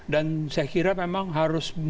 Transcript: dan saya kira memang harus mulai berani